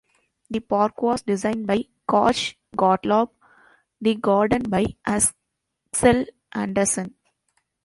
The park was designed by Kaj Gottlob, the garden by Aksel Andersen.